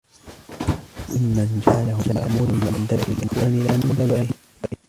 وَهُوَ مِمَّنْ جَعَلَهُ الْمَأْمُونُ مِنْ دَاءِ الْإِخْوَانِ لَا مِنْ دَوَائِهِمْ